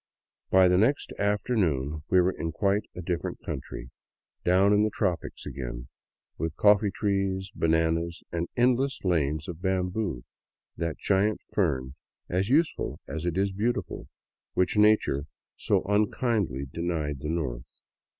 By the next afternoon we were in quite a different country, — down in the tropics again, with coffee trees, bananas, and endless lanes of bamboo, that giant fern, as useful as it is beautiful, which nature so unkindly denied the North.